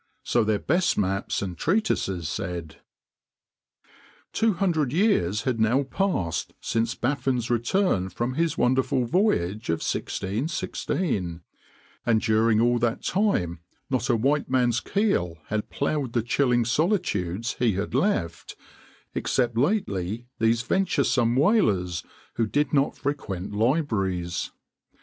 So their best maps and treatises said! Two hundred years had now passed since Baffin's return from his wonderful voyage of 1616, and during all that time not a white man's keel had plowed the chilling solitudes he had left, except lately these venturesome whalers, who did not frequent libraries.